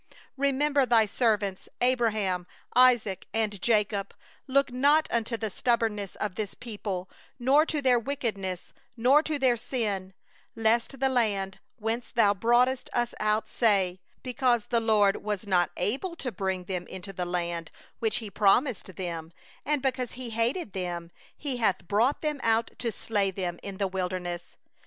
27Remember Thy servants, Abraham, Isaac, and Jacob; look not unto the stubbornness of this people, nor to their wickedness, nor to their sin; 28lest the land whence Thou broughtest us out say: Because the LORD was not able to bring them into the land which He promised unto them, and because He hated them, He hath brought them out to slay them in the wilderness.